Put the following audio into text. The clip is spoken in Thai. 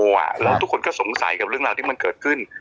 ก็ต้องครบว่าทุกคนก็สงสัยกับเรื่องที่มันเกิดขึ้น